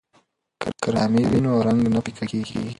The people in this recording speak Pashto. که رسامي وي نو رنګ نه پیکه کیږي.